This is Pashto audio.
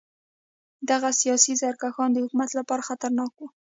دغه سیاسي سرکښان د حکومت لپاره خطرناک وو.